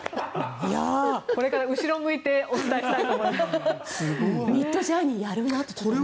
これから後ろを向いてお伝えしたいと。